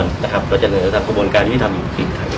พี่แจงในประเด็นที่เกี่ยวข้องกับความผิดที่ถูกเกาหา